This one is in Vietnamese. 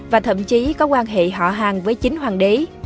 và thậm chí có quan hệ họ hàng với chính hoàng đế